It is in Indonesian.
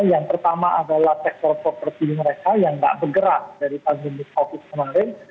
yang pertama adalah sektor properti mereka yang tidak bergerak dari pandemi covid kemarin